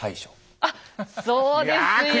あっそうですよ。